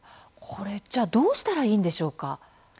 これじゃあどうしたらいいんでしょうか？